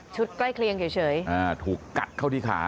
ชุดใกล้เคลียงเฉยอ่าถูกกัดเข้าที่ขา